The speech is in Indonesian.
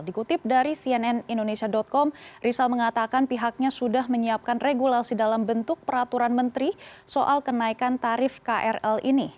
dikutip dari cnn indonesia com rizal mengatakan pihaknya sudah menyiapkan regulasi dalam bentuk peraturan menteri soal kenaikan tarif krl ini